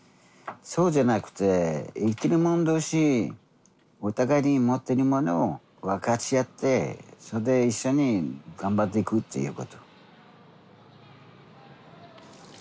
そうじゃなくて生きる者同士お互いに持ってるものを分かち合ってそれで一緒に頑張っていくっていうこと。